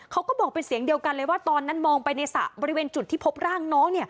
เขาก็บอกเป็นเสียงเดียวกันเลยว่าตอนนั้นมองไปในสระบริเวณจุดที่พบร่างน้อง